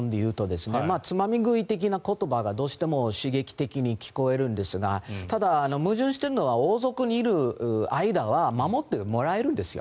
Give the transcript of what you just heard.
つまみ食い的な言葉がどうしても刺激的に聞こえるんですがただ、矛盾しているのは王族にいる間は守ってもらえるんですよ。